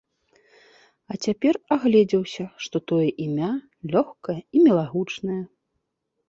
А цяпер агледзеўся, што тое імя лёгкае і мілагучнае.